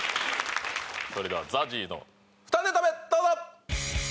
それではＺＡＺＹの２ネタ目どうぞ！